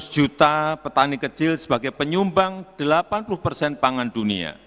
lima ratus juta petani kecil sebagai penyumbang delapan puluh persen pangan dunia